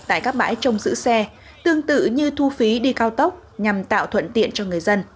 tại các bãi trong giữ xe tương tự như thu phí đi cao tốc nhằm tạo thuận tiện cho người dân